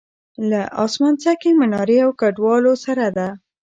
له اسمانڅکې منارې او کنډوالو سره ده.